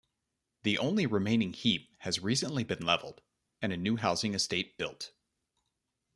The only remaining heap has recently been levelled and a new housing estate built.